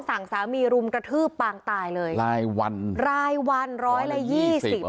สามีรุมกระทืบปางตายเลยรายวันรายวันร้อยละยี่สิบ